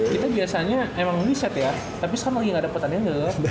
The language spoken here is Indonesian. kita biasanya emang riset ya tapi sekarang lagi gak dapetannya